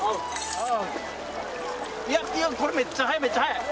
いや、これ、めっちゃ速い、めっちゃ速い。